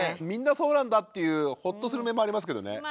みんなそうなんだっていうホッとする面もありますけどね。